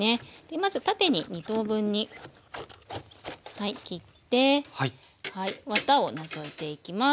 まず縦に２等分に切ってワタを除いていきます。